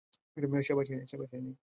সে বাসায় নেই।